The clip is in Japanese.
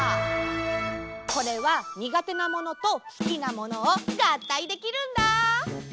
これはにがてなものとすきなものをがったいできるんだ。